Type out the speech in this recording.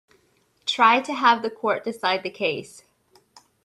Try to have the court decide the case.